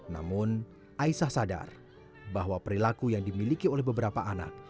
namun aisah sadar bahwa perilaku yang dimiliki oleh beberapa anak